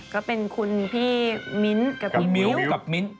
ก็เป็นคุณพี่มิ๊นต์กับมิ๊วกับมิ๊ว